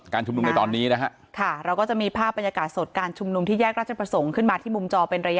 ค่าเราก็จะมีภาพบรรยกาสดการจุบลงที่แยกราชประสงค์ขึ้นมาที่มุมจอเป็นระยะระยะ